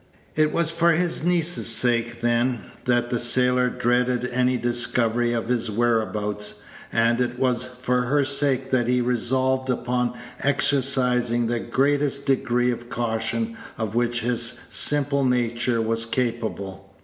It was for his niece's sake, then, that the sailor dreaded any discovery of his whereabouts, and it was for her sake that he resolved upon exercising the greatest degree of caution of which his simple nature was capable.